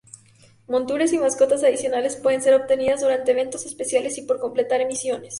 Monturas y mascotas adicionales pueden ser obtenidas durante eventos especiales y por completar misiones.